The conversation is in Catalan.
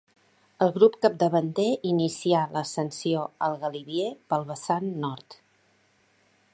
El grup capdavanter inicià l'ascensió al Galibier pel vessant nord.